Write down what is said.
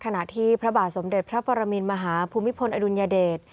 ขณะที่พระบาทสมเดตพระปรมิลมหาภูมิพงฆ์อดุญเดต